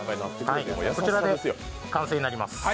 こちらで完成になります。